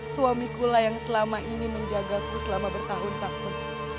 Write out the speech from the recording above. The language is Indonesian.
suamikulah yang selama ini menjagaku selama bertahun tahun